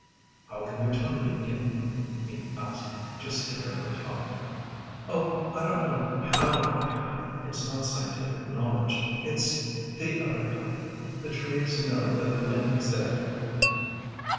"How can you tell, liebchen?" he asked, just to hear her talk. "Oh, I don't know how you can. It's not scientific knowledge it's the other kind. The trees know that the lake is there."